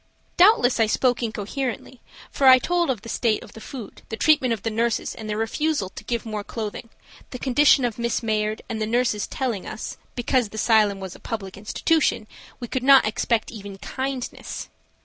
Doubtless, I spoke incoherently, for I told of the state of the food, the treatment of the nurses and their refusal to give more clothing, the condition of Miss Mayard, and the nurses telling us, because the asylum was a public institution we could not expect even kindness.